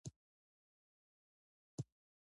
د موسیقي پوسټرونه یې دیوالونه ښکلي کړي وي.